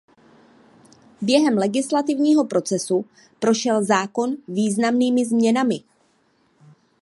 Během legislativního procesu prošel zákon významnými změnami.